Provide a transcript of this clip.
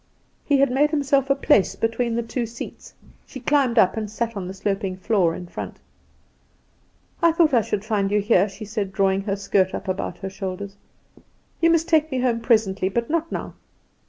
He had made himself a place between the two seats. She climbed up and sat on the sloping floor in front. "I thought I should find you here," she said, drawing her skirt up about her shoulders. "You must take me home presently, but not now."